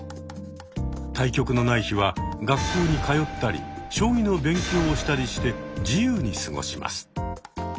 対局のない日は学校に通ったり将棋の勉強をしたりして自由に過ごします。